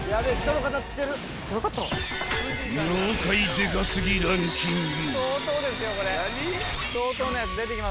［妖怪デカすぎランキング］